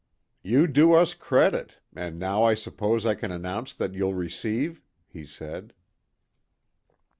"You do us credit, and now I suppose I can announce that you'll receive?" he said.